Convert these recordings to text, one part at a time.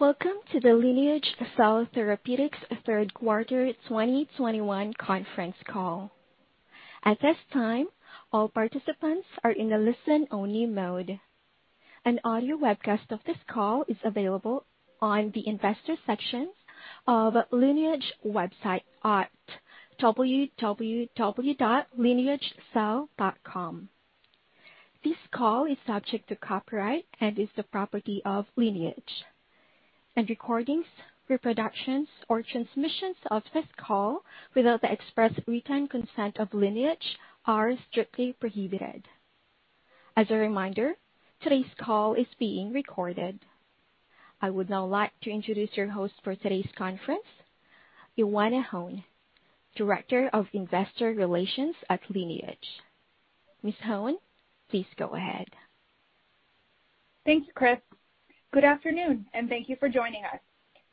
Welcome to the Lineage Cell Therapeutics third quarter 2021 conference call. At this time, all participants are in a listen-only mode. An audio webcast of this call is available on the investor section of Lineage website at www.lineagecell.com. This call is subject to copyright and is the property of Lineage. Any recordings, reproductions, or transmissions of this call without the express written consent of Lineage are strictly prohibited. As a reminder, today's call is being recorded. I would now like to introduce your host for today's conference, Ioana Hone, Director of Investor Relations at Lineage. Ms. Hone, please go ahead. Thank you, Chris. Good afternoon, and thank you for joining us.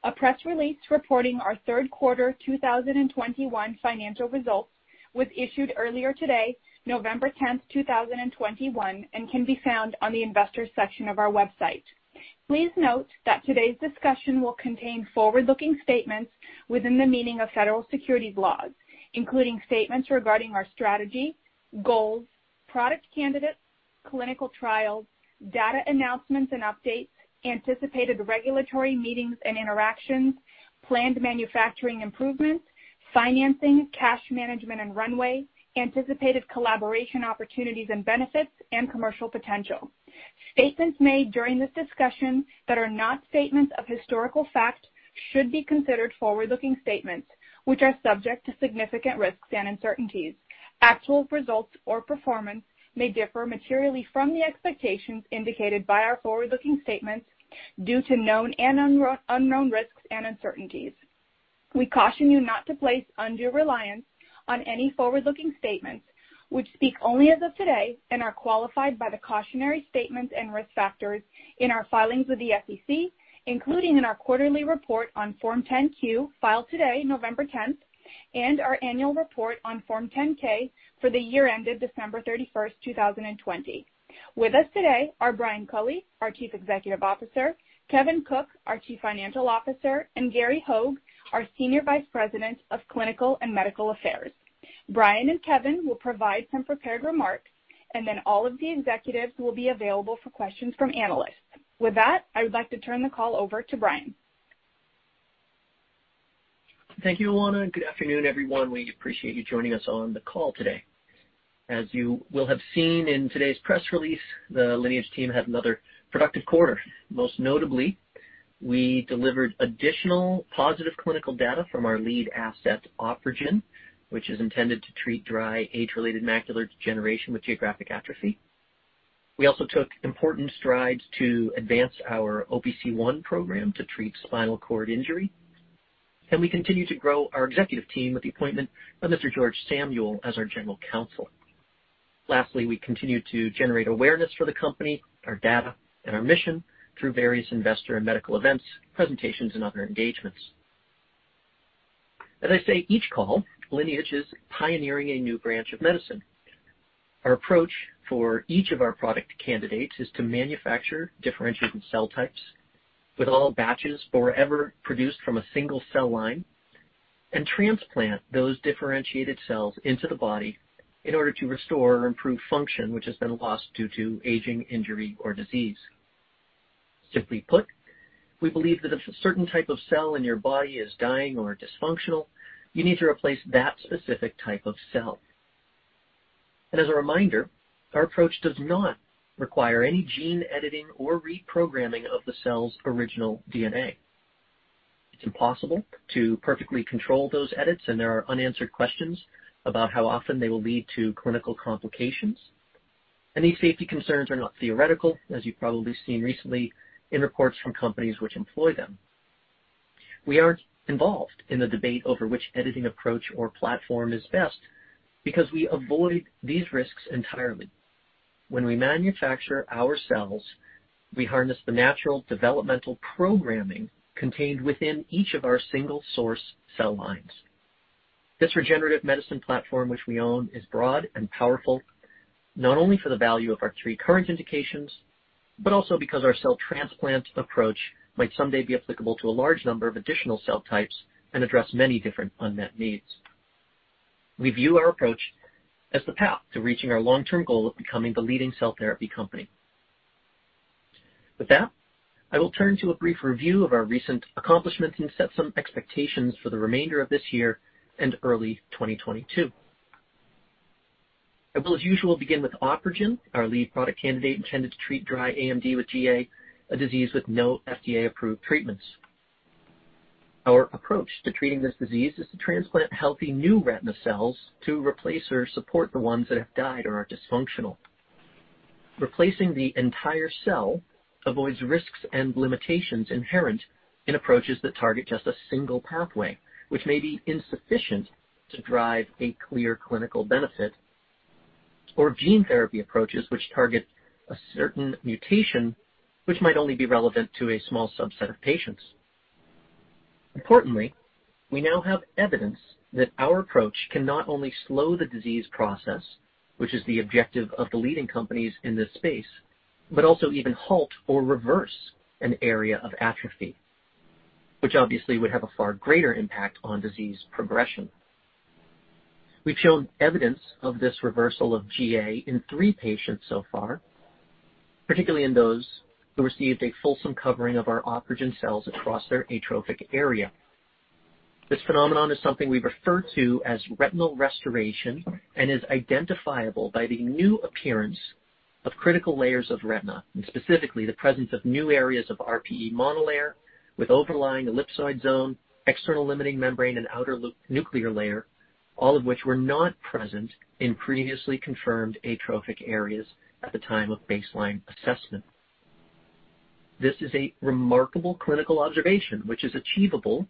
A press release reporting our Q3 2021 financial results was issued earlier today, November 10, 2021, and can be found on the investors section of our website. Please note that today's discussion will contain forward-looking statements within the meaning of federal securities laws, including statements regarding our strategy, goals, product candidates, clinical trials, data announcements and updates, anticipated regulatory meetings and interactions, planned manufacturing improvements, financing, cash management and runway, anticipated collaboration opportunities and benefits and commercial potential. Statements made during this discussion that are not statements of historical fact should be considered forward-looking statements, which are subject to significant risks and uncertainties. Actual results or performance may differ materially from the expectations indicated by our forward-looking statements due to known and unknown risks and uncertainties. We caution you not to place undue reliance on any forward-looking statements which speak only as of today and are qualified by the cautionary statements and risk factors in our filings with the SEC, including in our quarterly report on Form 10-Q filed today, November 10, and our annual report on Form 10-K for the year ended December 31, 2020. With us today are Brian Culley, our Chief Executive Officer; Kevin Cook, our Chief Financial Officer; and Gary Hogge, our Senior Vice President of Clinical and Medical Affairs. Brian and Kevin will provide some prepared remarks, and then all of the executives will be available for questions from analysts. With that, I would like to turn the call over to Brian. Thank you, Ioana. Good afternoon, everyone. We appreciate you joining us on the call today. As you will have seen in today's press release, the Lineage team had another productive quarter. Most notably, we delivered additional positive clinical data from our lead asset, OpRegen, which is intended to treat dry age-related macular degeneration with geographic atrophy. We also took important strides to advance our OPC1 program to treat spinal cord injury. We continue to grow our executive team with the appointment of Mr. George Samuel as our General Counsel. Lastly, we continue to generate awareness for the company, our data, and our mission through various investor and medical events, presentations, and other engagements. As I say each call, Lineage is pioneering a new branch of medicine. Our approach for each of our product candidates is to manufacture differentiated cell types with all batches forever produced from a single cell line and transplant those differentiated cells into the body in order to restore or improve function which has been lost due to aging, injury or disease. Simply put, we believe that if a certain type of cell in your body is dying or dysfunctional, you need to replace that specific type of cell. As a reminder, our approach does not require any gene editing or reprogramming of the cell's original DNA. It's impossible to perfectly control those edits, and there are unanswered questions about how often they will lead to clinical complications. These safety concerns are not theoretical, as you've probably seen recently in reports from companies which employ them. We aren't involved in the debate over which editing approach or platform is best because we avoid these risks entirely. When we manufacture our cells, we harness the natural developmental programming contained within each of our single source cell lines. This regenerative medicine platform, which we own, is broad and powerful, not only for the value of our three current indications, but also because our cell transplant approach might someday be applicable to a large number of additional cell types and address many different unmet needs. We view our approach as the path to reaching our long-term goal of becoming the leading cell therapy company. With that, I will turn to a brief review of our recent accomplishments and set some expectations for the remainder of this year and early 2022. I will as usual begin with OpRegen, our lead product candidate intended to treat dry AMD with GA, a disease with no FDA-approved treatments. Our approach to treating this disease is to transplant healthy new retina cells to replace or support the ones that have died or are dysfunctional. Replacing the entire cell avoids risks and limitations inherent in approaches that target just a single pathway, which may be insufficient to drive a clear clinical benefit, or gene therapy approaches which target a certain mutation which might only be relevant to a small subset of patients. Importantly, we now have evidence that our approach can not only slow the disease process, which is the objective of the leading companies in this space, but also even halt or reverse an area of atrophy, which obviously would have a far greater impact on disease progression. We've shown evidence of this reversal of GA in three patients so far, particularly in those who received a fulsome covering of our OpRegen cells across their atrophic area. This phenomenon is something we refer to as retinal restoration and is identifiable by the new appearance of critical layers of retina, and specifically the presence of new areas of RPE monolayer with overlying ellipsoid zone, external limiting membrane, and outer nuclear layer, all of which were not present in previously confirmed atrophic areas at the time of baseline assessment. This is a remarkable clinical observation, which is achievable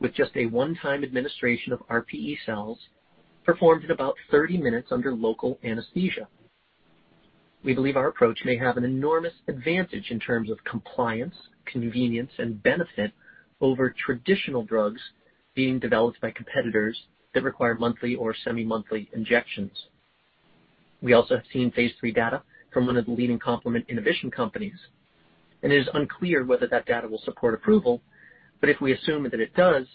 with just a one-time administration of RPE cells performed in about 30 minutes under local anesthesia. We believe our approach may have an enormous advantage in terms of compliance, convenience, and benefit over traditional drugs being developed by competitors that require monthly or semi-monthly injections. We also have seen phase III data from one of the leading complement inhibition companies, and it is unclear whether that data will support approval. If we assume that it does,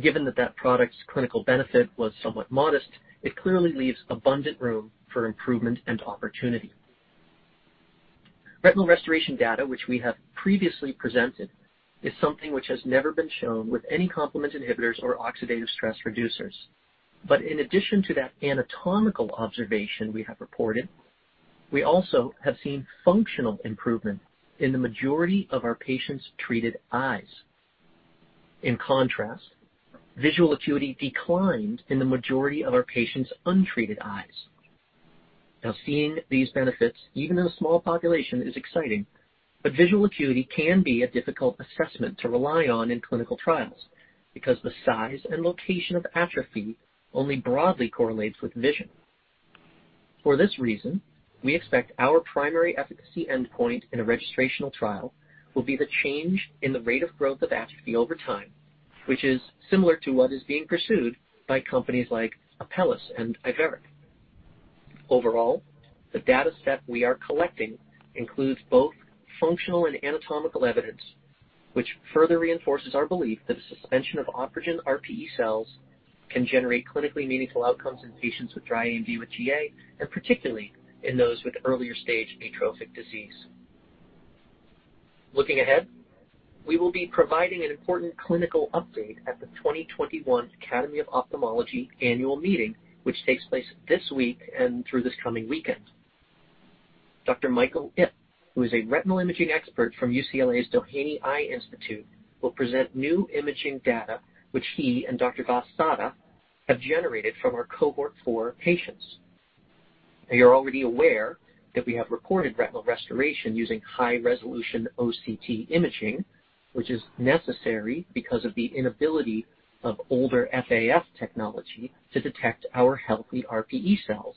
given that that product's clinical benefit was somewhat modest, it clearly leaves abundant room for improvement and opportunity. Retinal restoration data, which we have previously presented, is something which has never been shown with any complement inhibitors or oxidative stress reducers. In addition to that anatomical observation we have reported, we also have seen functional improvement in the majority of our patients' treated eyes. In contrast, visual acuity declined in the majority of our patients' untreated eyes. Now, seeing these benefits, even in a small population, is exciting, but visual acuity can be a difficult assessment to rely on in clinical trials because the size and location of atrophy only broadly correlates with vision. For this reason, we expect our primary efficacy endpoint in a registrational trial will be the change in the rate of growth of atrophy over time, which is similar to what is being pursued by companies like Apellis and Iveric. Overall, the data set we are collecting includes both functional and anatomical evidence, which further reinforces our belief that a suspension of OpRegen RPE cells can generate clinically meaningful outcomes in patients with dry AMD with GA, and particularly in those with earlier stage atrophic disease. Looking ahead, we will be providing an important clinical update at the 2021 Academy of Ophthalmology annual meeting, which takes place this week and through this coming weekend. Dr. Michael Ip, who is a retinal imaging expert from UCLA's Doheny Eye Institute, will present new imaging data which he and Dr. Goswami have generated from our cohort four patients. Now, you're already aware that we have reported retinal restoration using high-resolution OCT imaging, which is necessary because of the inability of older FAF technology to detect our healthy RPE cells.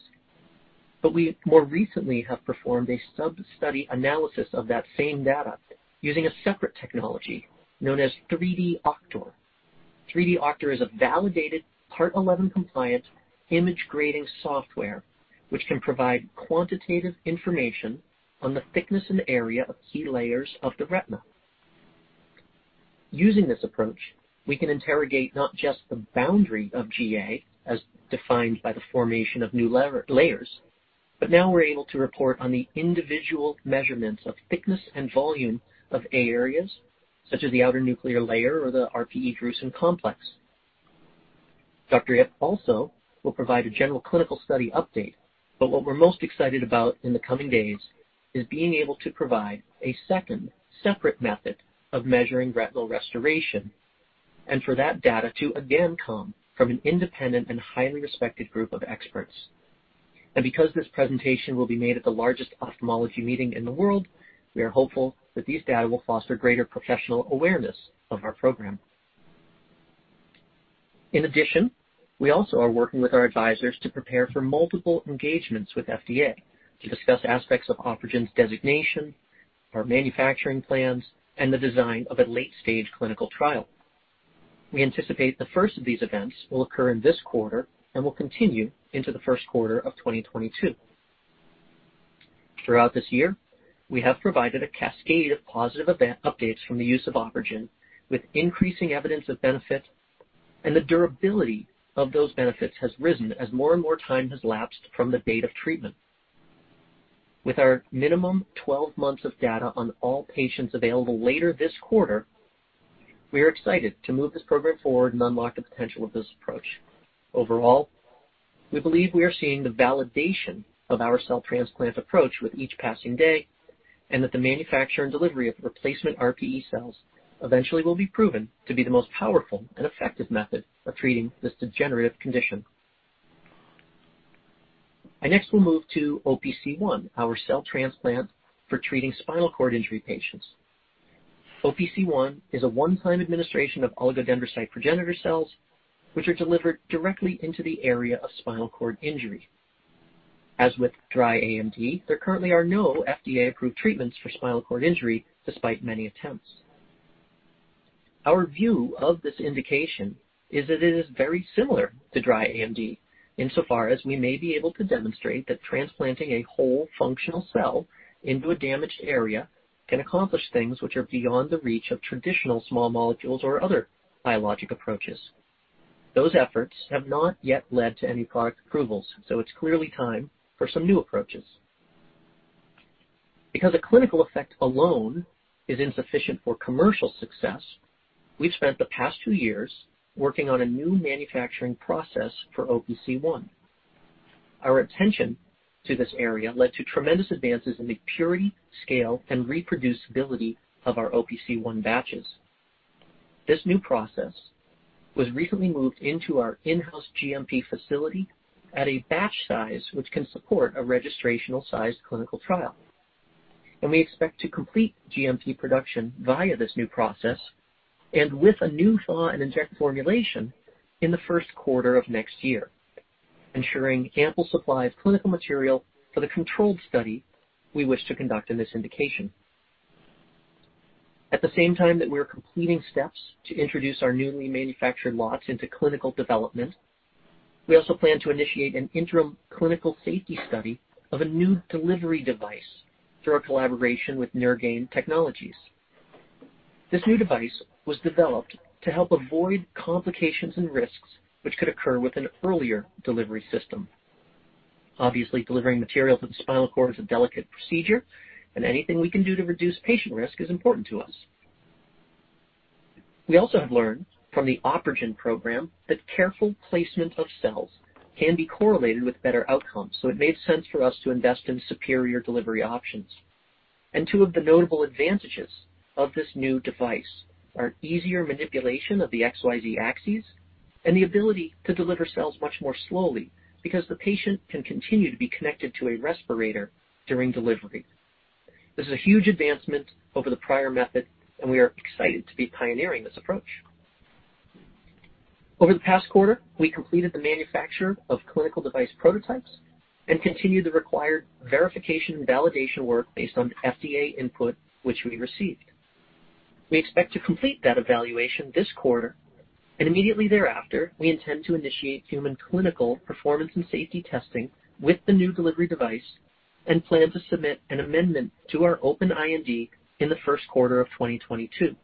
We more recently have performed a sub-study analysis of that same data using a separate technology known as 3D OCT. 3D OCT is a validated Part 11 compliant image grading software, which can provide quantitative information on the thickness and area of key layers of the retina. Using this approach, we can interrogate not just the boundary of GA as defined by the formation of new layers, but now we're able to report on the individual measurements of thickness and volume of atrophic areas such as the outer nuclear layer or the RPE-Bruch's complex. Dr. Ip also will provide a general clinical study update. What we're most excited about in the coming days is being able to provide a second separate method of measuring retinal restoration, and for that data to again come from an independent and highly respected group of experts. Because this presentation will be made at the largest ophthalmology meeting in the world, we are hopeful that these data will foster greater professional awareness of our program. In addition, we also are working with our advisors to prepare for multiple engagements with FDA to discuss aspects of OpRegen's designation, our manufacturing plans, and the design of a late-stage clinical trial. We anticipate the first of these events will occur in this quarter and will continue into the first quarter of 2022. Throughout this year, we have provided a cascade of positive event updates from the use of OpRegen with increasing evidence of benefit, and the durability of those benefits has risen as more and more time has lapsed from the date of treatment. With our minimum 12 months of data on all patients available later this quarter, we are excited to move this program forward and unlock the potential of this approach. Overall, we believe we are seeing the validation of our cell transplant approach with each passing day, and that the manufacture and delivery of replacement RPE cells eventually will be proven to be the most powerful and effective method for treating this degenerative condition. I next will move to OPC1, our cell transplant for treating spinal cord injury patients. OPC1 is a one-time administration of oligodendrocyte progenitor cells, which are delivered directly into the area of spinal cord injury. As with dry AMD, there currently are no FDA-approved treatments for spinal cord injury despite many attempts. Our view of this indication is that it is very similar to dry AMD insofar as we may be able to demonstrate that transplanting a whole functional cell into a damaged area can accomplish things which are beyond the reach of traditional small molecules or other biologic approaches. Those efforts have not yet led to any product approvals, so it's clearly time for some new approaches. Because a clinical effect alone is insufficient for commercial success, we've spent the past two years working on a new manufacturing process for OPC1. Our attention to this area led to tremendous advances in the purity, scale, and reproducibility of our OPC1 batches. This new process was recently moved into our in-house GMP facility at a batch size which can support a registrational sized clinical trial. We expect to complete GMP production via this new process and with a new thaw and inject formulation in the first quarter of next year, ensuring ample supply of clinical material for the controlled study we wish to conduct in this indication. At the same time that we are completing steps to introduce our newly manufactured lots into clinical development, we also plan to initiate an interim clinical safety study of a new delivery device through our collaboration with Neurgain Technologies. This new device was developed to help avoid complications and risks which could occur with an earlier delivery system. Obviously, delivering material to the spinal cord is a delicate procedure, and anything we can do to reduce patient risk is important to us. We also have learned from the OpRegen program that careful placement of cells can be correlated with better outcomes, so it made sense for us to invest in superior delivery options. Two of the notable advantages of this new device are easier manipulation of the XYZ axes and the ability to deliver cells much more slowly because the patient can continue to be connected to a respirator during delivery. This is a huge advancement over the prior method, and we are excited to be pioneering this approach. Over the past quarter, we completed the manufacture of clinical device prototypes and continued the required verification and validation work based on FDA input, which we received. We expect to complete that evaluation this quarter, and immediately thereafter, we intend to initiate human clinical performance and safety testing with the new delivery device and plan to submit an amendment to our open IND in the first quarter of 2022.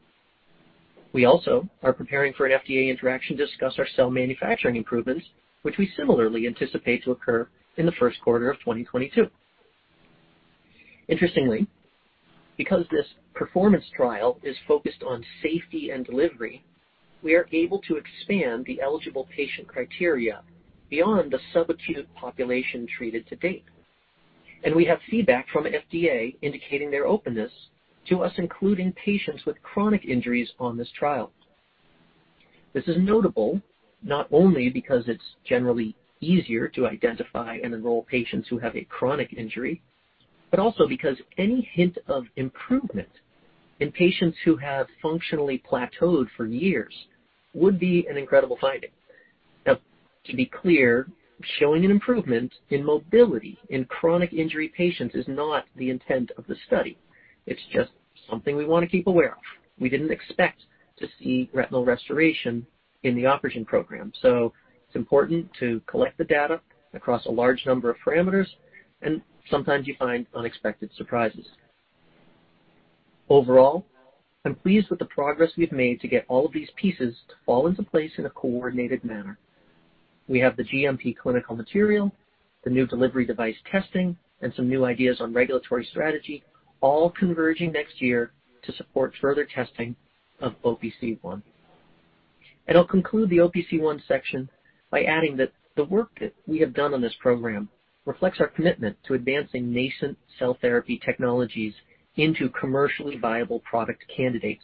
We also are preparing for an FDA interaction to discuss our cell manufacturing improvements, which we similarly anticipate to occur in the first quarter of 2022. Interestingly, because this performance trial is focused on safety and delivery, we are able to expand the eligible patient criteria beyond the subacute population treated to date. We have feedback from FDA indicating their openness to us including patients with chronic injuries on this trial. This is notable not only because it's generally easier to identify and enroll patients who have a chronic injury, but also because any hint of improvement in patients who have functionally plateaued for years would be an incredible finding. Now, to be clear, showing an improvement in mobility in chronic injury patients is not the intent of the study. It's just something we want to keep aware of. We didn't expect to see retinal restoration in the OpRegen program. It's important to collect the data across a large number of parameters, and sometimes you find unexpected surprises. Overall, I'm pleased with the progress we've made to get all of these pieces to fall into place in a coordinated manner. We have the GMP clinical material, the new delivery device testing, and some new ideas on regulatory strategy all converging next year to support further testing of OPC1. I'll conclude the OPC1 section by adding that the work that we have done on this program reflects our commitment to advancing nascent cell therapy technologies into commercially viable product candidates.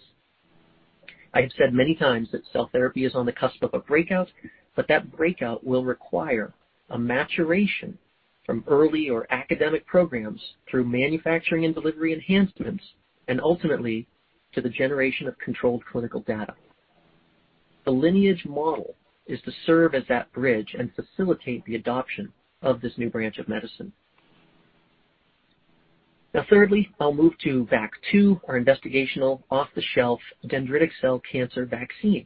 I have said many times that cell therapy is on the cusp of a breakout, but that breakout will require a maturation from early or academic programs through manufacturing and delivery enhancements, and ultimately to the generation of controlled clinical data. The Lineage model is to serve as that bridge and facilitate the adoption of this new branch of medicine. Now thirdly, I'll move to VAC2, our investigational off-the-shelf dendritic cell cancer vaccine.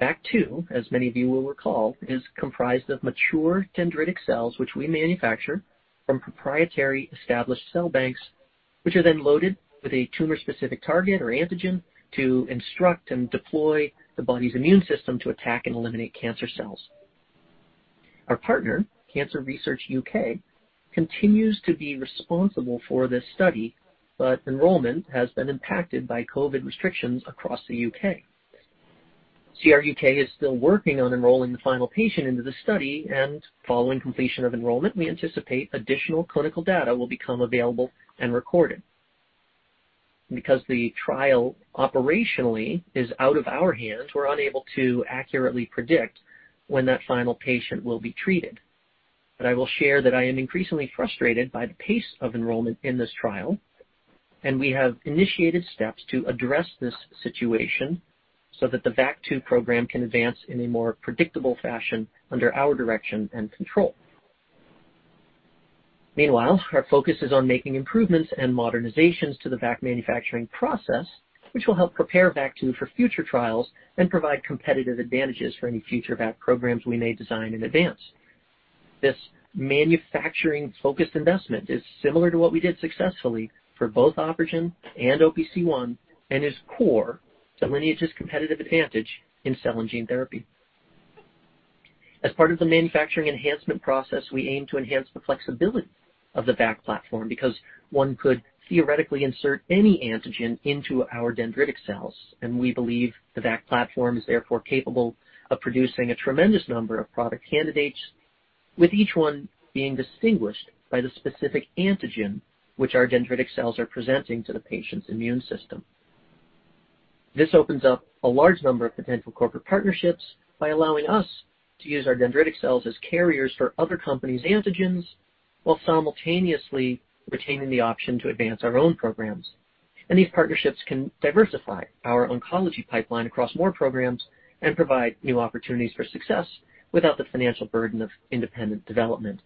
VAC2, as many of you will recall, is comprised of mature dendritic cells, which we manufacture from proprietary established cell banks, which are then loaded with a tumor-specific target or antigen to instruct and deploy the body's immune system to attack and eliminate cancer cells. Our partner, Cancer Research UK, continues to be responsible for this study, but enrollment has been impacted by COVID restrictions across the U.K. CRUK is still working on enrolling the final patient into the study, and following completion of enrollment, we anticipate additional clinical data will become available and recorded. Because the trial operationally is out of our hands, we're unable to accurately predict when that final patient will be treated. I will share that I am increasingly frustrated by the pace of enrollment in this trial. We have initiated steps to address this situation so that the VAC2 program can advance in a more predictable fashion under our direction and control. Meanwhile, our focus is on making improvements and modernizations to the VAC manufacturing process, which will help prepare VAC2 for future trials and provide competitive advantages for any future VAC programs we may design in advance. This manufacturing-focused investment is similar to what we did successfully for both OpRegen and OPC1 and is core to Lineage's competitive advantage in cell and gene therapy. As part of the manufacturing enhancement process, we aim to enhance the flexibility of the VAC platform because one could theoretically insert any antigen into our dendritic cells, and we believe the VAC platform is therefore capable of producing a tremendous number of product candidates, with each one being distinguished by the specific antigen which our dendritic cells are presenting to the patient's immune system. This opens up a large number of potential corporate partnerships by allowing us to use our dendritic cells as carriers for other companies' antigens while simultaneously retaining the option to advance our own programs. These partnerships can diversify our oncology pipeline across more programs and provide new opportunities for success without the financial burden of independent development.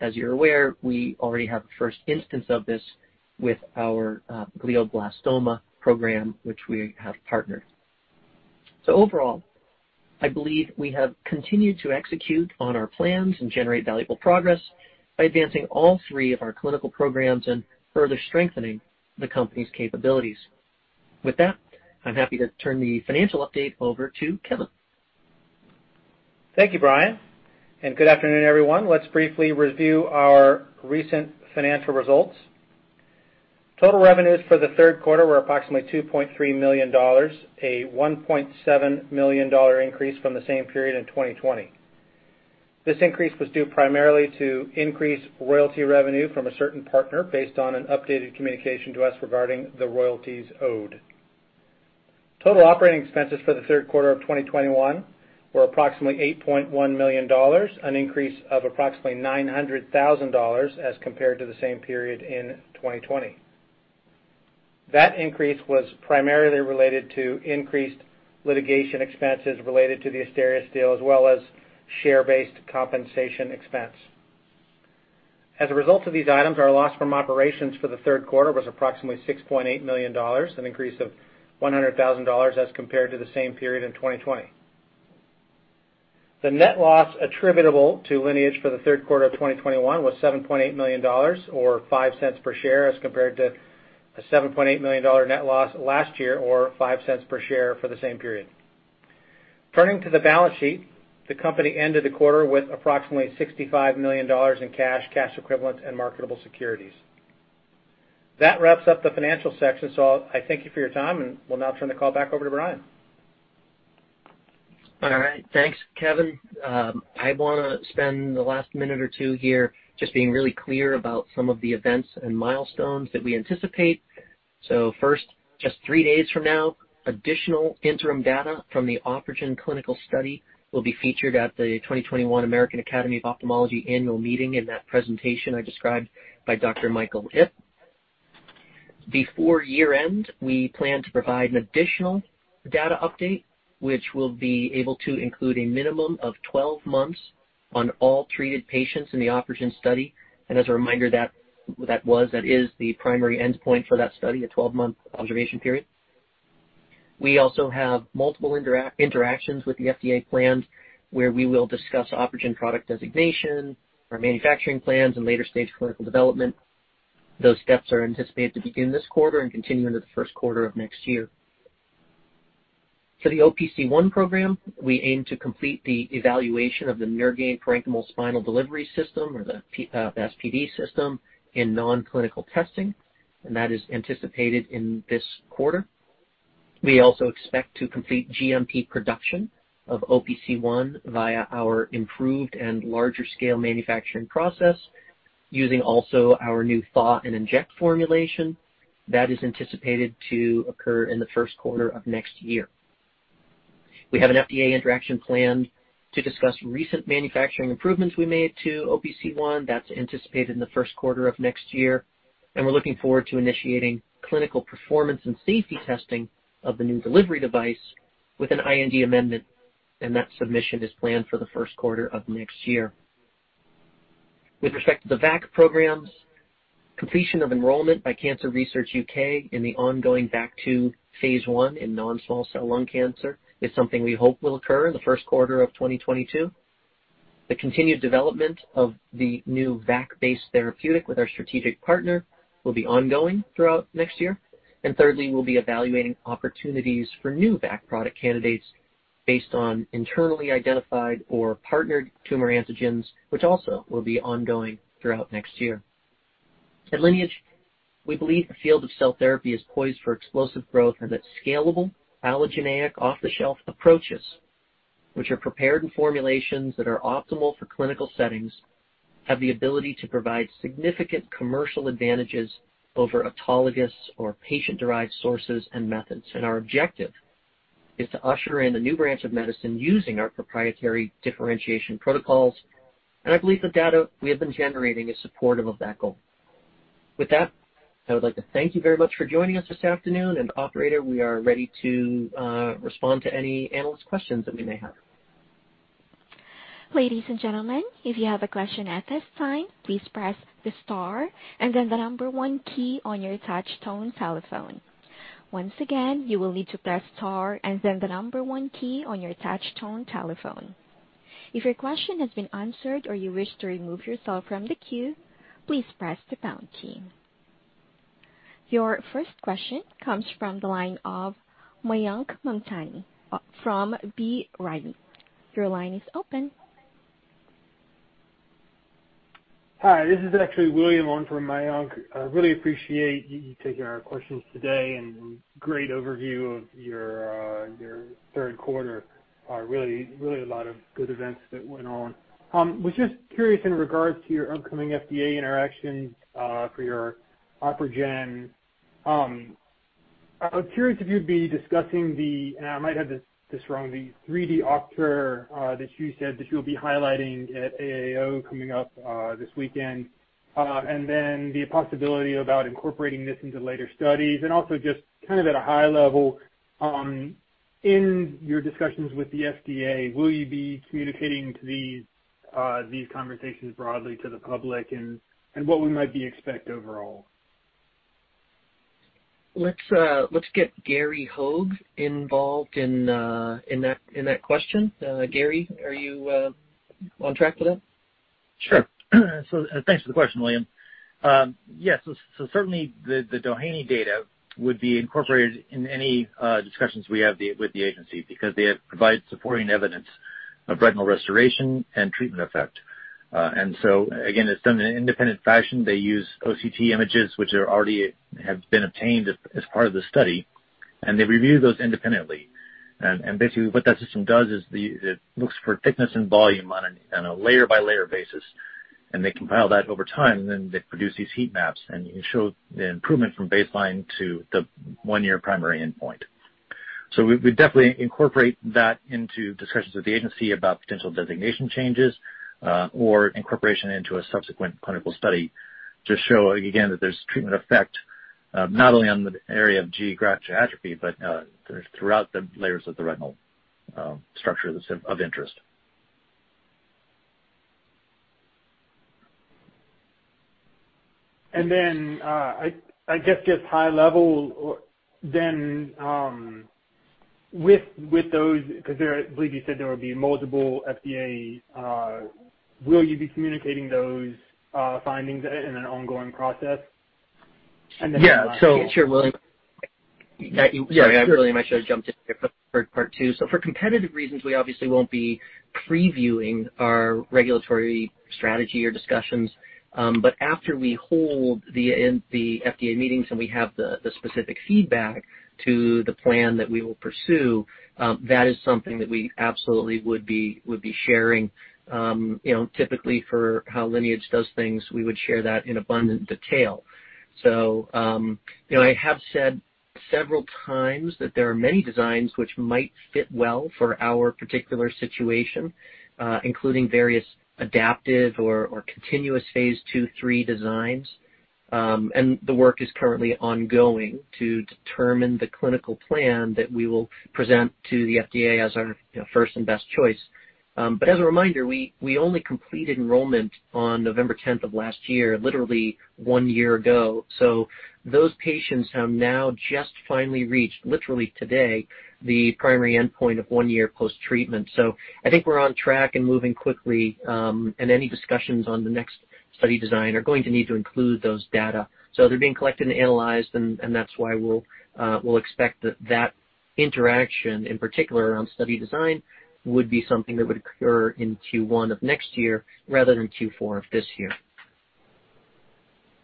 As you're aware, we already have the first instance of this with our glioblastoma program, which we have partnered. Overall, I believe we have continued to execute on our plans and generate valuable progress by advancing all three of our clinical programs and further strengthening the company's capabilities. With that, I'm happy to turn the financial update over to Kevin. Thank you, Brian, and good afternoon, everyone. Let's briefly review our recent financial results. Total revenues for the third quarter were approximately $2.3 million, a $1.7 million increase from the same period in 2020. This increase was due primarily to increased royalty revenue from a certain partner based on an updated communication to us regarding the royalties owed. Total operating expenses for the third quarter of 2021 were approximately $8.1 million, an increase of approximately $900,000 as compared to the same period in 2020. That increase was primarily related to increased litigation expenses related to the Asterias deal, as well as share-based compensation expense. As a result of these items, our loss from operations for the third quarter was approximately $6.8 million, an increase of $100,000 as compared to the same period in 2020. The net loss attributable to Lineage for the third quarter of 2021 was $7.8 million or $0.05 per share, as compared to a $7.8 million net loss last year, or $0.05 per share for the same period. Turning to the balance sheet, the company ended the quarter with approximately $65 million in cash equivalents, and marketable securities. That wraps up the financial section. I thank you for your time, and we'll now turn the call back over to Brian. All right. Thanks, Kevin. I want to spend the last minute or two here just being really clear about some of the events and milestones that we anticipate. First, just three days from now, additional interim data from the OpRegen clinical study will be featured at the 2021 American Academy of Ophthalmology annual meeting in that presentation I described by Dr. Michael Ip. Before year-end, we plan to provide an additional data update which will be able to include a minimum of 12 months on all treated patients in the OpRegen study. As a reminder, that is the primary endpoint for that study, a 12-month observation period. We also have multiple interactions with the FDA planned, where we will discuss OpRegen product designation, our manufacturing plans, and later-stage clinical development. Those steps are anticipated to begin this quarter and continue into the first quarter of next year. For the OPC1 program, we aim to complete the evaluation of the Neurgain Parenchymal Spinal Delivery system, or the PSD system, in non-clinical testing, and that is anticipated in this quarter. We also expect to complete GMP production of OPC1 via our improved and larger-scale manufacturing process using also our new thaw and inject formulation. That is anticipated to occur in the first quarter of next year. We have an FDA interaction planned to discuss recent manufacturing improvements we made to OPC1. That's anticipated in the first quarter of next year. We're looking forward to initiating clinical performance and safety testing of the new delivery device with an IND amendment, and that submission is planned for the first quarter of next year. With respect to the VAC programs, completion of enrollment by Cancer Research UK in the ongoing VAC2 phase I in non-small cell lung cancer is something we hope will occur in the first quarter of 2022. The continued development of the new VAC-based therapeutic with our strategic partner will be ongoing throughout next year. Thirdly, we'll be evaluating opportunities for new VAC product candidates based on internally identified or partnered tumor antigens, which also will be ongoing throughout next year. At Lineage, we believe the field of cell therapy is poised for explosive growth and that scalable allogeneic off-the-shelf approaches, which are prepared in formulations that are optimal for clinical settings, have the ability to provide significant commercial advantages over autologous or patient-derived sources and methods. Our objective is to usher in the new branch of medicine using our proprietary differentiation protocols. I believe the data we have been generating is supportive of that goal. With that, I would like to thank you very much for joining us this afternoon, and operator, we are ready to respond to any analyst questions that we may have. Ladies and gentlemen, if you have a question at this time, please press the star and then the one key on your touch-tone telephone. Once again, you will need to press star and then the one key on your touch-tone telephone. If your question has been answered or you wish to remove yourself from the queue, please press the pound key. Your first question comes from the line of Mayank Mamtani from B. Riley. Your line is open. Hi. This is actually William on for Mayank. I really appreciate you taking our questions today and great overview of your third quarter. Really a lot of good events that went on. Was just curious in regards to your upcoming FDA interaction for your OpRegen. I was curious if you'd be discussing the, and I might have this wrong, the 3D OCT that you said that you'll be highlighting at AAO coming up this weekend, and then the possibility about incorporating this into later studies and also just kind of at a high level, in your discussions with the FDA, will you be communicating these conversations broadly to the public and what we might expect overall? Let's get Gary Hogge involved in that question. Gary, are you on track for that? Sure. Thanks for the question, William. Yes, certainly the Doheny data would be incorporated in any discussions we have with the agency because they have provided supporting evidence of retinal restoration and treatment effect. Again, it's done in an independent fashion. They use OCT images, which have already been obtained as part of the study, and they review those independently. Basically what that system does is it looks for thickness and volume on a layer by layer basis, and they compile that over time, and then they produce these heat maps, and you show the improvement from baseline to the one-year primary endpoint. We definitely incorporate that into discussions with the agency about potential designation changes, or incorporation into a subsequent clinical study to show again that there's treatment effect, not only on the area of geographic atrophy but throughout the layers of the retinal structure that's of interest. Then, I guess just high level or then, with those, because there are, I believe you said there would be multiple FDA, will you be communicating those findings in an ongoing process? Then- Yeah. Sure, William. Sorry, William, I should have jumped in for part two. For competitive reasons, we obviously won't be previewing our regulatory strategy or discussions. After we hold the FDA meetings and we have the specific feedback to the plan that we will pursue, that is something that we absolutely would be sharing. You know, typically for how Lineage does things, we would share that in abundant detail. You know, I have said several times that there are many designs which might fit well for our particular situation, including various adaptive or continuous phase II/III designs. The work is currently ongoing to determine the clinical plan that we will present to the FDA as our first and best choice. As a reminder, we only completed enrollment on November 10th of last year, literally one year ago. Those patients have now just finally reached, literally today, the primary endpoint of one year post-treatment. I think we're on track and moving quickly, and any discussions on the next study design are going to need to include those data. They're being collected and analyzed, and that's why we'll expect that interaction in particular around study design would be something that would occur in Q1 of next year rather than Q4 of this year.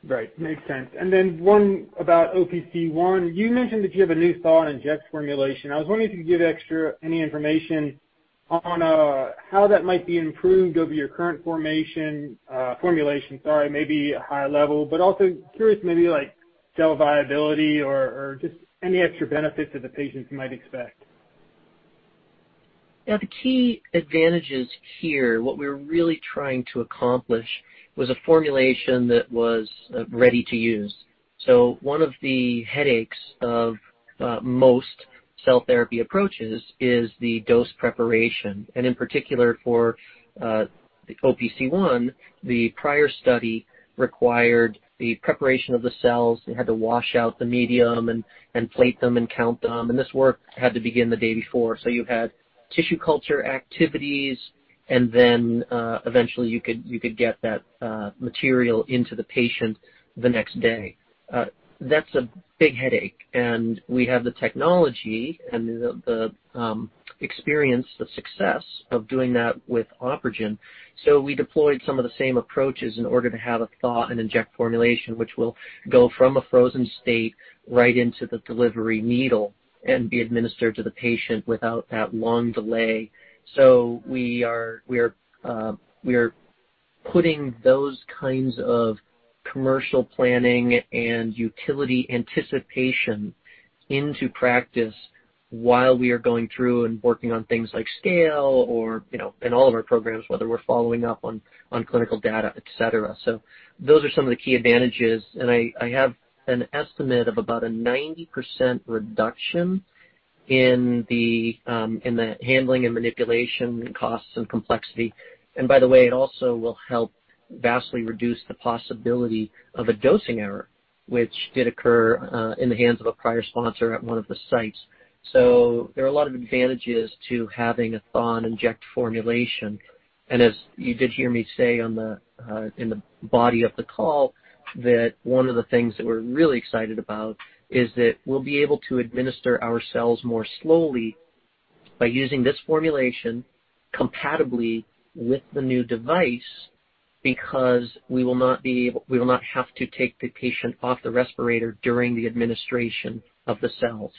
Right. Makes sense. Then one about OPC1. You mentioned that you have a new thaw and inject formulation. I was wondering if you could give any information on how that might be improved over your current formulation, sorry, maybe a higher level. Also curious maybe like cell viability or just any extra benefits that the patients might expect. Yeah. The key advantages here, what we're really trying to accomplish, was a formulation that was ready to use. One of the headaches of most cell therapy approaches is the dose preparation. In particular for the OPC1, the prior study required the preparation of the cells. They had to wash out the medium and plate them and count them, and this work had to begin the day before. You had tissue culture activities and then eventually you could get that material into the patient the next day. That's a big headache. We have the technology and the experience, the success of doing that with OpRegen. We deployed some of the same approaches in order to have a thaw-and-inject formulation, which will go from a frozen state right into the delivery needle and be administered to the patient without that long delay. We are putting those kinds of commercial planning and utility anticipation into practice while we are going through and working on things like scale or, you know, in all of our programs, whether we're following up on clinical data, et cetera. Those are some of the key advantages. I have an estimate of about a 90% reduction in the handling and manipulation costs and complexity. By the way, it also will help vastly reduce the possibility of a dosing error, which did occur in the hands of a prior sponsor at one of the sites. There are a lot of advantages to having a thaw-and-inject formulation. As you did hear me say on the call, in the body of the call, that one of the things that we're really excited about is that we'll be able to administer our cells more slowly by using this formulation compatibly with the new device, because we will not have to take the patient off the respirator during the administration of the cells.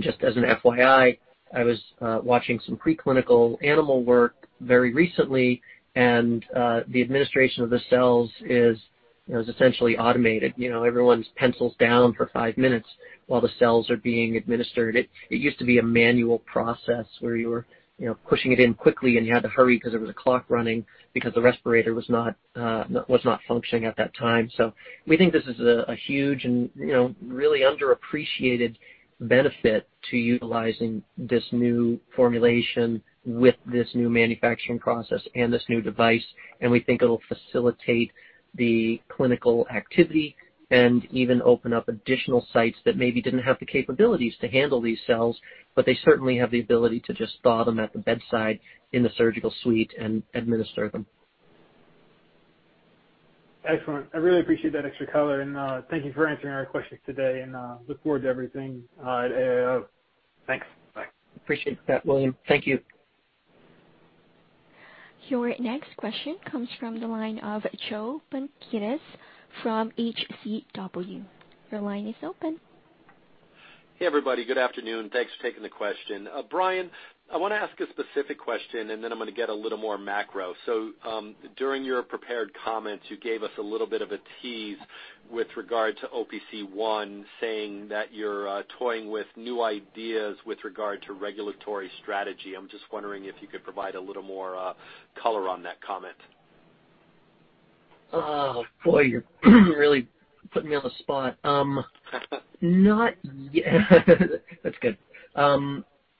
Just as an FYI, I was watching some pre-clinical animal work very recently, and the administration of the cells is, you know, essentially automated. You know, everyone's pencil's down for five minutes while the cells are being administered. It used to be a manual process where you were, you know, pushing it in quickly, and you had to hurry 'cause there was a clock running because the respirator was not functioning at that time. We think this is a huge and, you know, really underappreciated benefit to utilizing this new formulation with this new manufacturing process and this new device. We think it'll facilitate the clinical activity and even open up additional sites that maybe didn't have the capabilities to handle these cells, but they certainly have the ability to just thaw them at the bedside in the surgical suite and administer them. Excellent. I really appreciate that extra color, and thank you for answering our questions today and look forward to everything at AAO. Thanks. Bye. Appreciate that, William. Thank you. Your next question comes from the line of Joe Pantginis from HCW. Your line is open. Hey, everybody. Good afternoon. Thanks for taking the question. Brian, I wanna ask a specific question, and then I'm gonna get a little more macro. During your prepared comments, you gave us a little bit of a tease with regard to OPC1, saying that you're toying with new ideas with regard to regulatory strategy. I'm just wondering if you could provide a little more color on that comment. Oh, boy, you're really putting me on the spot. That's good.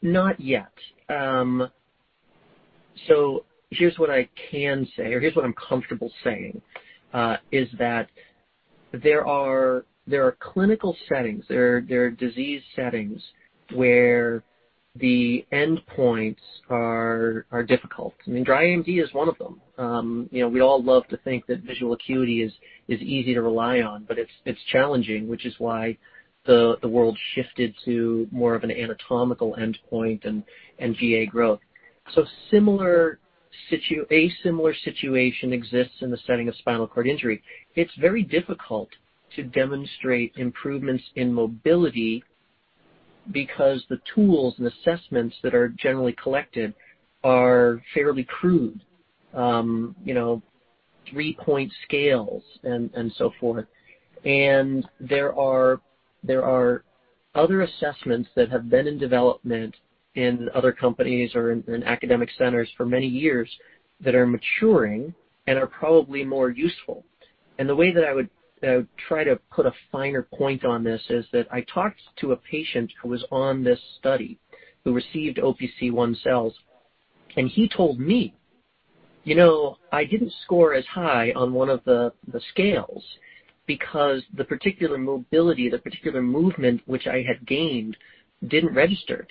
Not yet. Here's what I can say, or here's what I'm comfortable saying, is that there are clinical settings, there are disease settings where the endpoints are difficult. I mean, dry AMD is one of them. You know, we all love to think that visual acuity is easy to rely on, but it's challenging, which is why the world shifted to more of an anatomical endpoint and GA growth. A similar situation exists in the setting of spinal cord injury. It's very difficult to demonstrate improvements in mobility because the tools and assessments that are generally collected are fairly crude, you know, three-point scales and so forth. There are other assessments that have been in development in other companies or in academic centers for many years that are maturing and are probably more useful. The way that I would try to put a finer point on this is that I talked to a patient who was on this study, who received OPC1 cells, and he told me, "You know, I didn't score as high on one of the scales because the particular mobility, the particular movement which I had gained didn't register."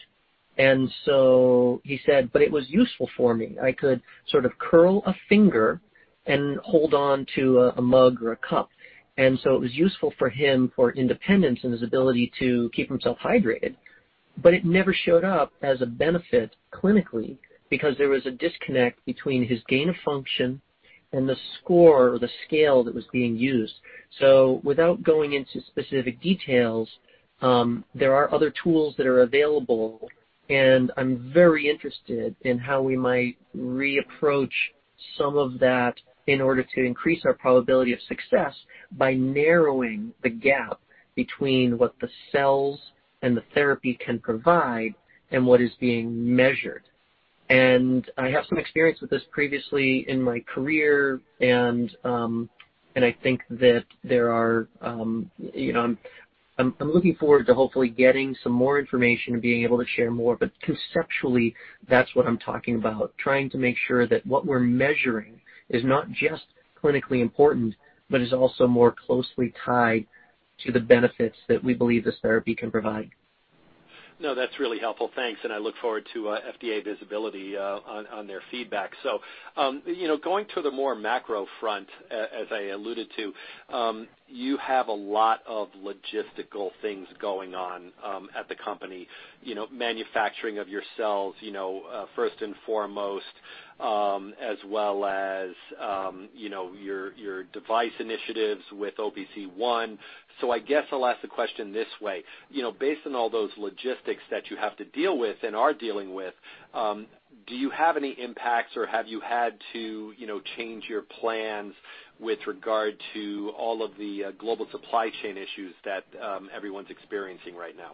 He said, "But it was useful for me. I could sort of curl a finger and hold on to a mug or a cup." It was useful for him for independence and his ability to keep himself hydrated. It never showed up as a benefit clinically because there was a disconnect between his gain of function and the score or the scale that was being used. Without going into specific details, there are other tools that are available, and I'm very interested in how we might reapproach some of that in order to increase our probability of success by narrowing the gap between what the cells and the therapy can provide and what is being measured. I have some experience with this previously in my career, and I think that there are, you know, I'm looking forward to hopefully getting some more information and being able to share more. Conceptually, that's what I'm talking about, trying to make sure that what we're measuring is not just clinically important, but is also more closely tied to the benefits that we believe this therapy can provide. No, that's really helpful. Thanks. I look forward to FDA visibility on their feedback. You know, going to the more macro front, as I alluded to, you have a lot of logistical things going on at the company, you know, manufacturing of your cells, you know, first and foremost, as well as, you know, your device initiatives with OPC1. I guess I'll ask the question this way, you know, based on all those logistics that you have to deal with and are dealing with, do you have any impacts or have you had to, you know, change your plans with regard to all of the global supply chain issues that everyone's experiencing right now?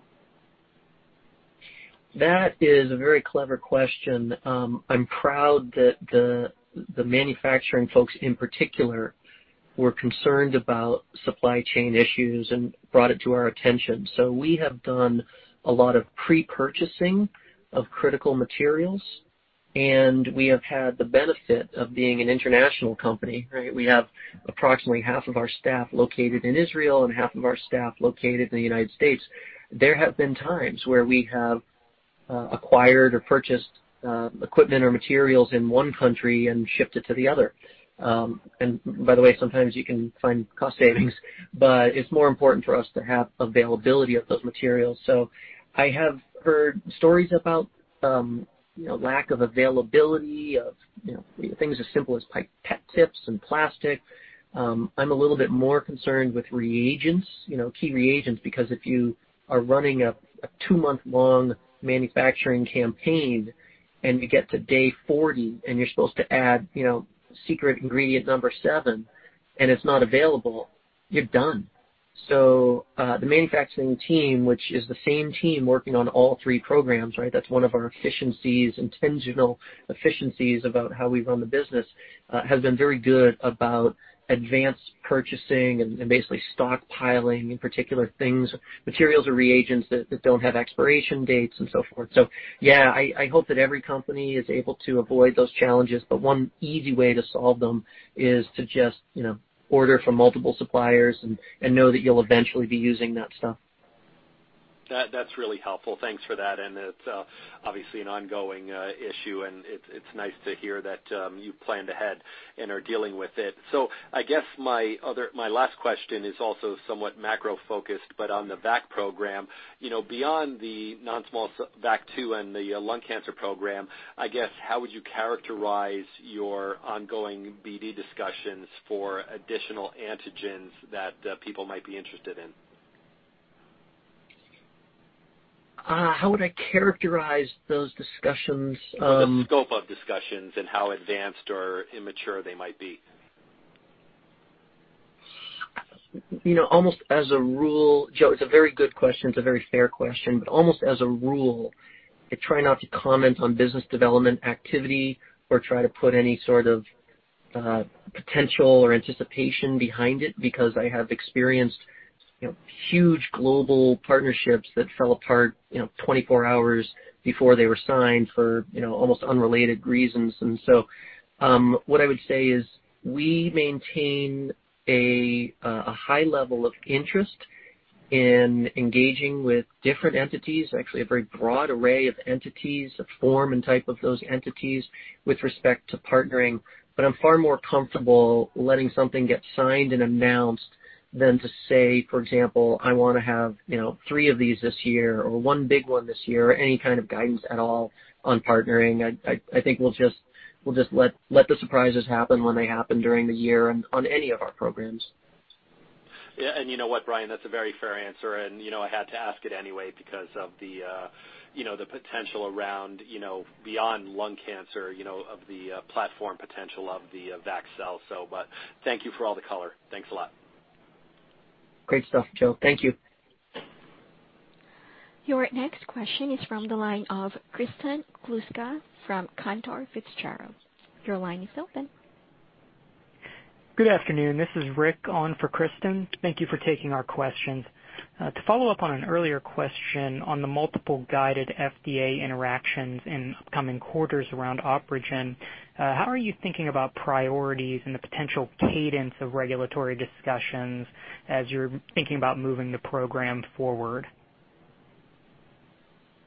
That is a very clever question. I'm proud that the manufacturing folks in particular were concerned about supply chain issues and brought it to our attention. We have done a lot of pre-purchasing of critical materials, and we have had the benefit of being an international company, right? We have approximately half of our staff located in Israel and half of our staff located in the United States. There have been times where we have acquired or purchased equipment or materials in one country and shipped it to the other. By the way, sometimes you can find cost savings, but it's more important for us to have availability of those materials. I have heard stories about, you know, lack of availability of, you know, things as simple as pipette tips and plastic. I'm a little bit more concerned with reagents, you know, key reagents, because if you are running a two-month long manufacturing campaign and you get to day 40 and you're supposed to add, you know, secret ingredient number seven and it's not available, you're done. The manufacturing team, which is the same team working on all three programs, right? That's one of our efficiencies, intentional efficiencies about how we run the business, has been very good about advanced purchasing and basically stockpiling in particular things, materials or reagents that don't have expiration dates and so forth. Yeah, I hope that every company is able to avoid those challenges, but one easy way to solve them is to just, you know, order from multiple suppliers and know that you'll eventually be using that stuff. That's really helpful. Thanks for that. It's obviously an ongoing issue, and it's nice to hear that you planned ahead and are dealing with it. I guess my last question is also somewhat macro focused, but on the VAC program. You know, beyond the non-small cell VAC2 and the lung cancer program, I guess, how would you characterize your ongoing BD discussions for additional antigens that people might be interested in? How would I characterize those discussions? The scope of discussions and how advanced or immature they might be. You know, almost as a rule, Joe, it's a very good question. It's a very fair question. Almost as a rule, I try not to comment on business development activity or try to put any sort of potential or anticipation behind it because I have experienced, you know, huge global partnerships that fell apart, you know, 24 hours before they were signed for, you know, almost unrelated reasons. What I would say is we maintain a high level of interest in engaging with different entities, actually a very broad array of entities, of form and type of those entities with respect to partnering. I'm far more comfortable letting something get signed and announced than to say, for example, I wanna have, you know, three of these this year or one big one this year, or any kind of guidance at all on partnering. I think we'll just let the surprises happen when they happen during the year on any of our programs. Yeah. You know what, Brian? That's a very fair answer. You know, I had to ask it anyway because of the, you know, the potential around, you know, beyond lung cancer, you know, of the, platform potential of the, VAC. Thank you for all the color. Thanks a lot. Great stuff, Joe. Thank you. Your next question is from the line of Kristen Kluska from Cantor Fitzgerald. Your line is open. Good afternoon. This is Rick on for Kristen. Thank you for taking our questions. To follow up on an earlier question on the multiple guided FDA interactions in upcoming quarters around OpRegen, how are you thinking about priorities and the potential cadence of regulatory discussions as you're thinking about moving the program forward?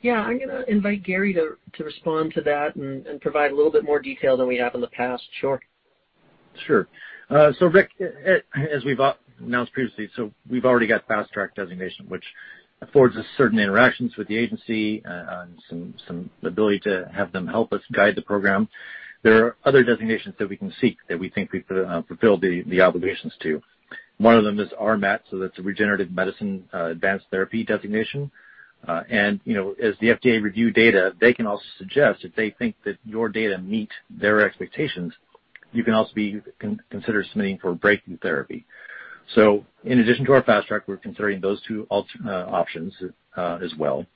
Yeah. I'm gonna invite Gary to respond to that and provide a little bit more detail than we have in the past. Sure. Sure. Rick, as we've announced previously, we've already got Fast Track designation, which affords us certain interactions with the agency, and some ability to have them help us guide the program. There are other designations that we can seek that we think we could fulfill the obligations to. One of them is RMAT, so that's a Regenerative Medicine Advanced Therapy designation. You know, as the FDA reviews data, they can also suggest if they think that your data meet their expectations, you can also consider submitting for Breakthrough Therapy. In addition to our Fast Track, we're considering those two options as well.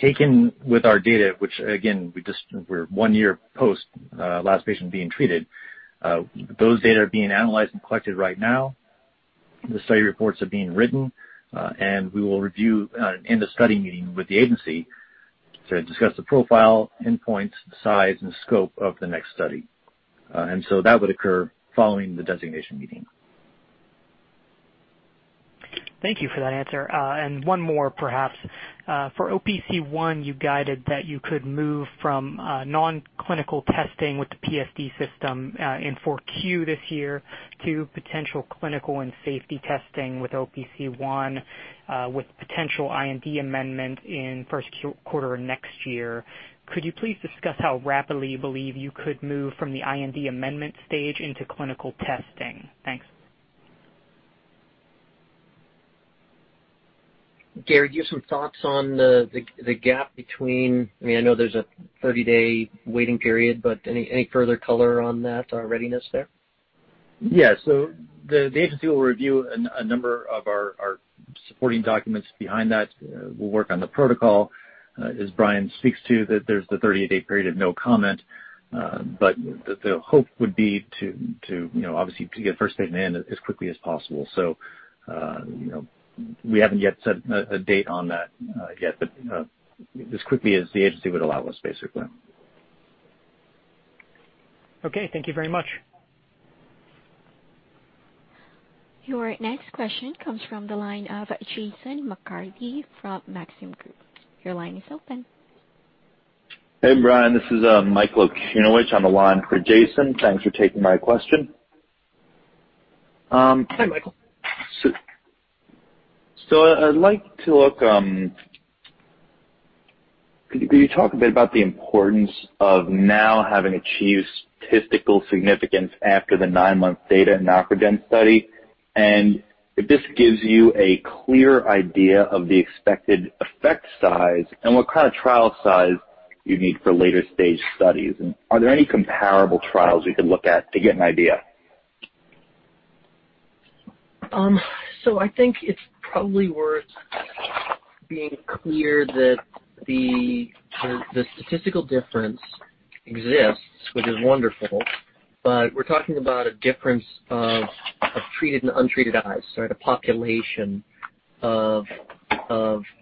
Taken together with our data, which again, we're one year post last patient being treated, those data are being analyzed and collected right now. The study reports are being written, and we will review an end of study meeting with the agency to discuss the profile, endpoints, size, and scope of the next study. That would occur following the designation meeting. Thank you for that answer. One more perhaps. For OPC1, you guided that you could move from non-clinical testing with the PSD system in Q4 this year to potential clinical and safety testing with OPC1 with potential IND amendment in first quarter of next year. Could you please discuss how rapidly you believe you could move from the IND amendment stage into clinical testing? Thanks. Gary, do you have some thoughts on the gap between—I mean, I know there's a 30-day waiting period, but any further color on that readiness there? Yeah. The agency will review a number of our supporting documents behind that. We'll work on the protocol. As Brian speaks to, there's the 30-day period of no comment. But the hope would be to, you know, obviously, to get first patient in as quickly as possible. You know, we haven't yet set a date on that yet, but as quickly as the agency would allow us, basically. Okay, thank you very much. Your next question comes from the line of Jason McCarthy from Maxim Group. Your line is open. Hey, Brian, this is Michael Okunewitch on the line for Jason. Thanks for taking my question. Hi, Michael. Could you talk a bit about the importance of now having achieved statistical significance after the nine-month data in OpRegen study? If this gives you a clear idea of the expected effect size and what kind of trial size you need for later-stage studies, and are there any comparable trials we could look at to get an idea? I think it's probably worth being clear that the statistical difference exists, which is wonderful, but we're talking about a difference of treated and untreated eyes, right? A population of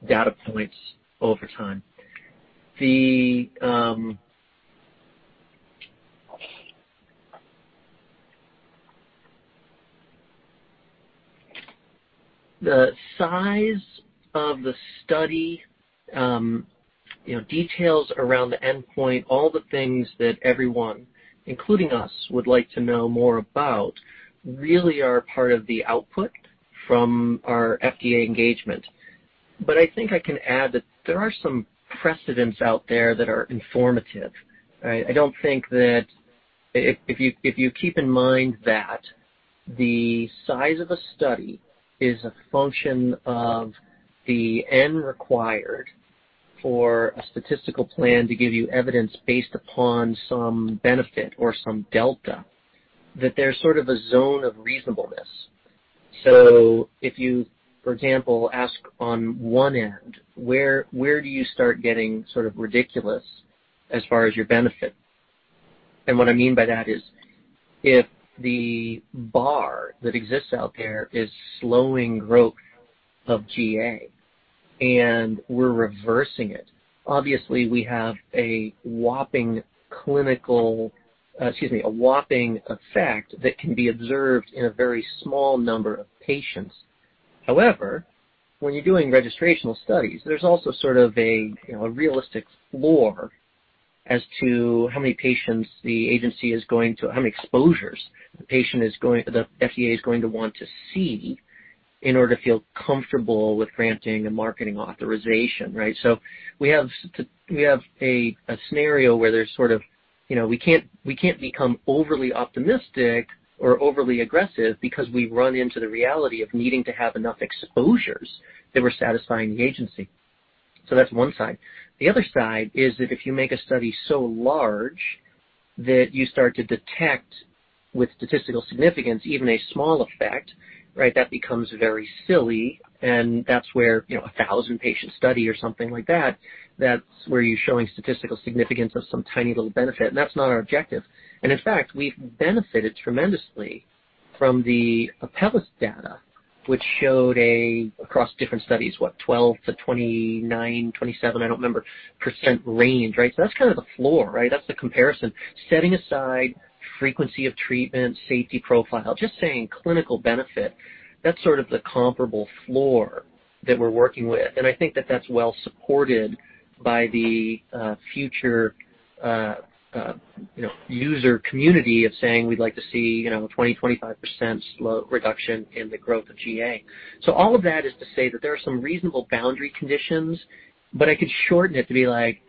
data points over time. The size of the study, you know, details around the endpoint, all the things that everyone, including us, would like to know more about really are part of the output from our FDA engagement. I think I can add that there are some precedents out there that are informative, right? If you keep in mind that the size of a study is a function of the N required for a statistical plan to give you evidence based upon some benefit or some delta, that there's sort of a zone of reasonableness. If you, for example, ask on one end, where do you start getting sort of ridiculous as far as your benefit? What I mean by that is, if the bar that exists out there is slowing growth of GA, and we're reversing it, obviously, we have a whopping effect that can be observed in a very small number of patients. However, when you're doing registrational studies, there's also sort of a, you know, a realistic floor as to how many patient exposures the FDA is going to want to see in order to feel comfortable with granting a marketing authorization, right? We have a scenario where there's sort of, you know, we can't become overly optimistic or overly aggressive because we run into the reality of needing to have enough exposures that we're satisfying the agency. That's one side. The other side is that if you make a study so large that you start to detect with statistical significance, even a small effect, right? That becomes very silly, and that's where, you know, a 1,000-patient study or something like that's where you're showing statistical significance of some tiny little benefit, and that's not our objective. In fact, we've benefited tremendously from the Apellis data, which showed, across different studies, 12%-29%, 27%, I don't remember, percent range, right? That's kind of the floor, right? That's the comparison. Setting aside frequency of treatment, safety profile, just saying clinical benefit, that's sort of the comparable floor that we're working with. I think that that's well supported by the future, you know, user community of saying, "We'd like to see, you know, 20%-25% reduction in the growth of GA." All of that is to say that there are some reasonable boundary conditions, but I could shorten it to be like,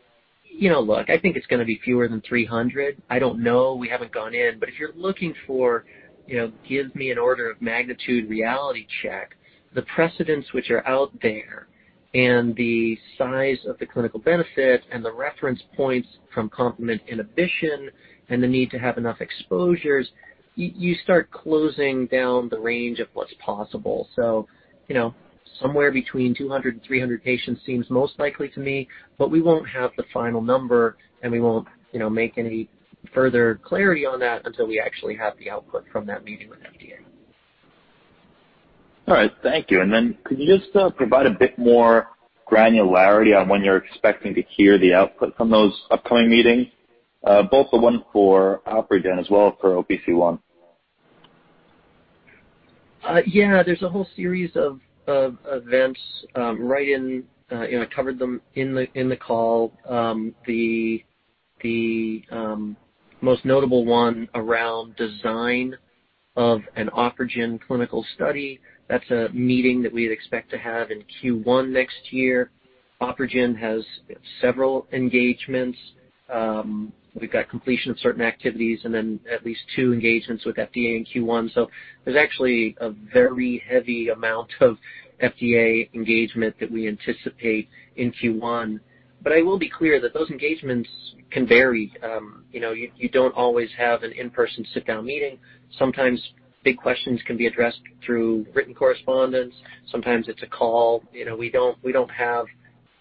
you know, look, I think it's gonna be fewer than 300. I don't know. We haven't gone in. If you're looking for, you know, give me an order of magnitude reality check, the precedents which are out there and the size of the clinical benefit and the reference points from complement inhibition and the need to have enough exposures, you start closing down the range of what's possible. You know, somewhere between 200 and 300 patients seems most likely to me, but we won't have the final number, and we won't, you know, make any further clarity on that until we actually have the output from that meeting with FDA. All right. Thank you. Could you just provide a bit more granularity on when you're expecting to hear the output from those upcoming meetings, both the one for OpRegen as well as for OPC1? Yeah. There's a whole series of events, you know, I covered them in the call. The most notable one around design of an OpRegen clinical study. That's a meeting that we'd expect to have in Q1 next year. OpRegen has several engagements. We've got completion of certain activities and then at least two engagements with FDA in Q1. There's actually a very heavy amount of FDA engagement that we anticipate in Q1. I will be clear that those engagements can vary. You know, you don't always have an in-person sit-down meeting. Sometimes big questions can be addressed through written correspondence. Sometimes it's a call. You know, we don't have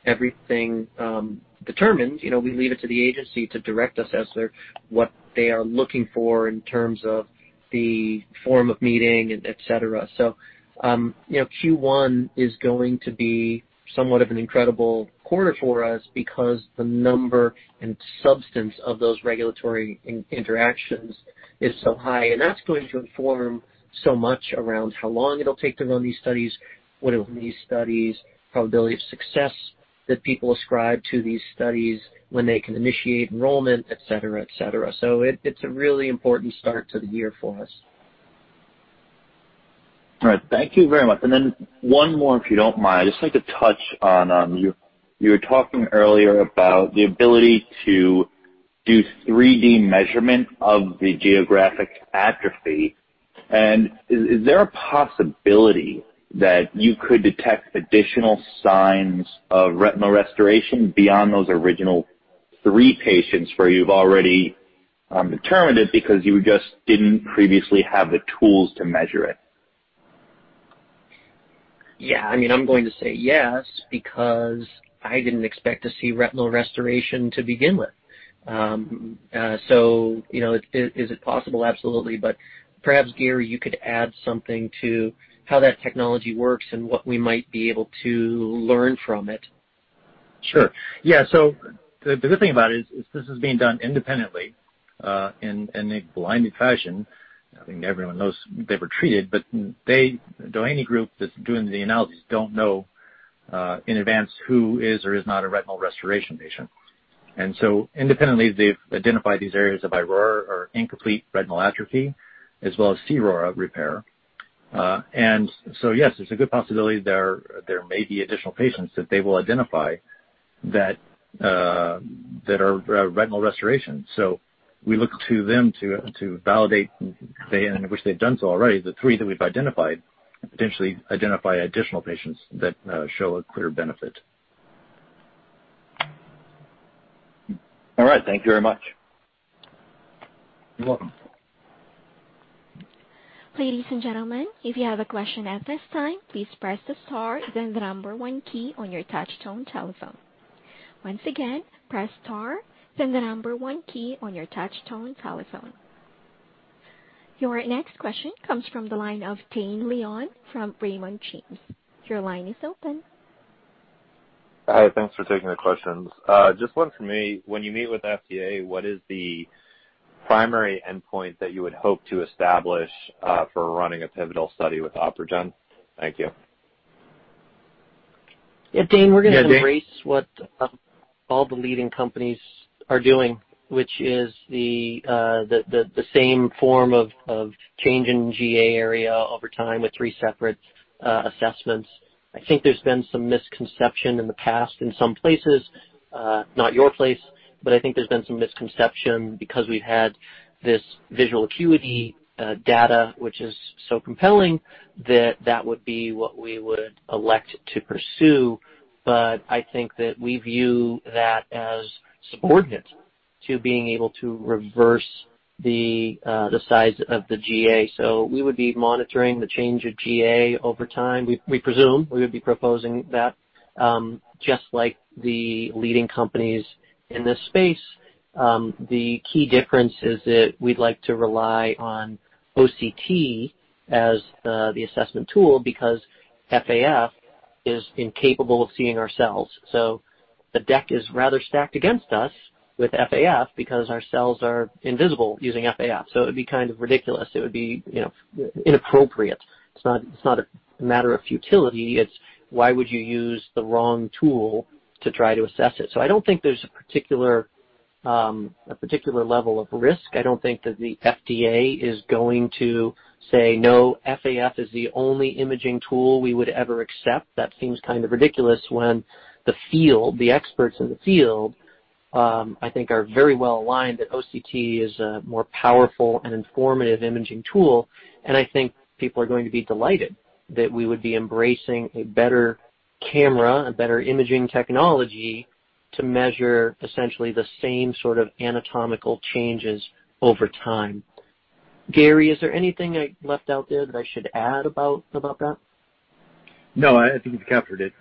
everything determined. You know, we leave it to the agency to direct us as to what they are looking for in terms of the form of meeting, et cetera. You know, Q1 is going to be somewhat of an incredible quarter for us because the number and substance of those regulatory interactions is so high, and that's going to inform so much around how long it'll take to run these studies, what do these studies, probability of success that people ascribe to these studies when they can initiate enrollment, et cetera, et cetera. It's a really important start to the year for us. All right. Thank you very much. One more, if you don't mind. I'd just like to touch on you. You were talking earlier about the ability to do 3D measurement of the geographic atrophy. Is there a possibility that you could detect additional signs of retinal restoration beyond those original three patients where you've already determined it because you just didn't previously have the tools to measure it? Yeah. I mean, I'm going to say yes, because I didn't expect to see retinal restoration to begin with. You know, is it possible? Absolutely. Perhaps, Gary, you could add something to how that technology works and what we might be able to learn from it. Sure. Yeah. The good thing about it is this is being done independently in a blinded fashion. I think everyone knows they were treated, but the group that's doing the analysis don't know in advance who is or is not a retinal restoration patient. Independently, they've identified these areas of iRORA or incomplete retinal atrophy as well as cRORA repair. Yes, there's a good possibility there may be additional patients that they will identify that are retinal restoration. We look to them to validate, and which they've done so already, the three that we've identified, potentially identify additional patients that show a clear benefit. All right. Thank you very much. You're welcome. Your next question comes from the line of Dane Leone from Raymond James. Your line is open. Hi. Thanks for taking the questions. Just one for me. When you meet with FDA, what is the primary endpoint that you would hope to establish, for running a pivotal study with OpRegen? Thank you. Yeah, Dane, we're gonna embrace what all the leading companies are doing, which is the same form of change in GA area over time with three separate assessments. I think there's been some misconception in the past in some places. Not your place, but I think there's been some misconception because we've had this visual acuity data, which is so compelling that that would be what we would elect to pursue. I think that we view that as subordinate to being able to reverse the size of the GA. We would be monitoring the change of GA over time. We presume we would be proposing that just like the leading companies in this space. The key difference is that we'd like to rely on OCT as the assessment tool because FAF is incapable of seeing our cells. So the deck is rather stacked against us with FAF because our cells are invisible using FAF. So it would be kind of ridiculous. It would be, you know, inappropriate. It's not a matter of futility. It's why would you use the wrong tool to try to assess it? So I don't think there's a particular level of risk. I don't think that the FDA is going to say, "No, FAF is the only imaging tool we would ever accept." That seems kind of ridiculous when the field, the experts in the field, I think are very well aligned that OCT is a more powerful and informative imaging tool. I think people are going to be delighted that we would be embracing a better camera, a better imaging technology to measure essentially the same sort of anatomical changes over time. Gary, is there anything I left out there that I should add about that? No, I think you've captured it.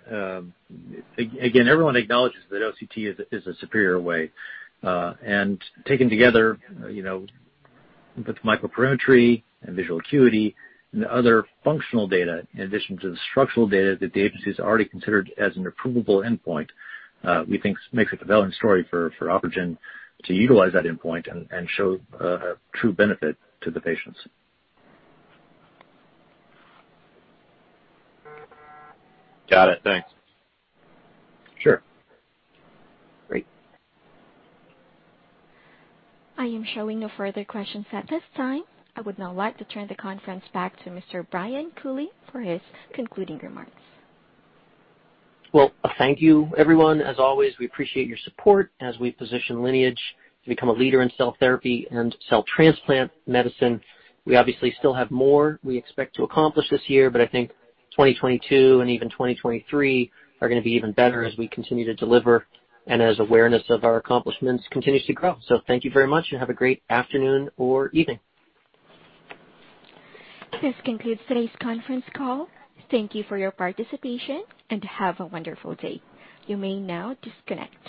Again, everyone acknowledges that OCT is a superior way. Taken together, you know, with microperimetry and visual acuity and the other functional data, in addition to the structural data that the agency has already considered as an approvable endpoint, we think makes a compelling story for OpRegen to utilize that endpoint and show a true benefit to the patients. Got it. Thanks. Sure. Great. I am showing no further questions at this time. I would now like to turn the conference back to Mr. Brian Culley for his concluding remarks. Well, thank you, everyone. As always, we appreciate your support as we position Lineage to become a leader in cell therapy and cell transplant medicine. We obviously still have more we expect to accomplish this year, but I think 2022 and even 2023 are gonna be even better as we continue to deliver and as awareness of our accomplishments continues to grow. Thank you very much and have a great afternoon or evening. This concludes today's conference call. Thank you for your participation and have a wonderful day. You may now disconnect.